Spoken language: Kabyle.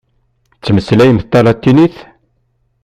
Tettmeslayemt talatinit?